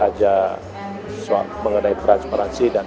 kalau yang ngebes barusan